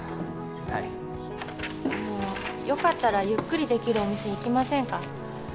はいあのよかったらゆっくりできるお店行きませんか？